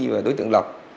và đối tượng lọc